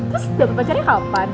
terus dapet pacarnya kapan